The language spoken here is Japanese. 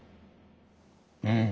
うん。